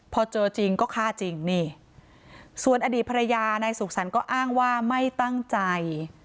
พอเจอจริงก็ฆ่าจริงนี่ส่วนอดีตภรรยานายสุขสรรค์ก็อ้างว่าไม่ตั้งใจ